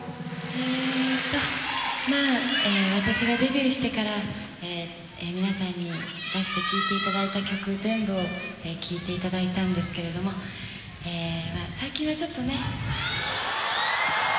私がデビューしてから、皆さんに出して聴いていただいた曲全部を聴いていただいたんですけれども、最近はちょっとね。